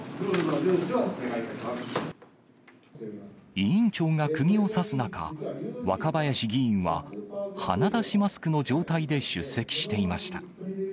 委員長がくぎを刺す中、若林議員は、鼻出しマスクの状態で出席していました。